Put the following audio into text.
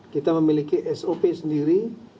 kita memiliki sop sendiri